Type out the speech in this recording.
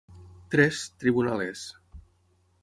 Tres, tribunal és.